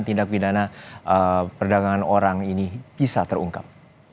bagaimana perdagangan orang ini bisa terungkap